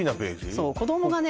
そう子どもがね